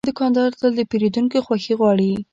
دوکاندار تل د پیرودونکو خوښي غواړي.